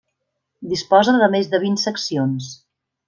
Disposa de més de vint seccions.